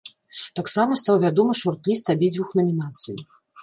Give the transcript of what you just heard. Таксама стаў вядомы шорт-ліст абедзвюх намінацый.